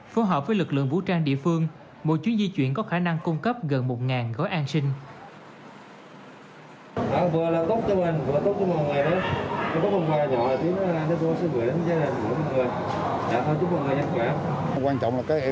phối hợp với lực lượng vũ trang địa phương mỗi chuyến di chuyển có khả năng cung cấp gần một gói an sinh